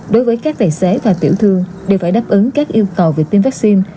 đối với các tài xế và tiểu thương đều phải đáp ứng các yêu cầu về tiêm vaccine